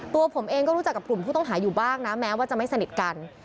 ตัวผมเองก็รู้จักกับกลุ่มผู้ต้องหาอยู่บ้างนะแม้ว่าจะไม่สนิทกัน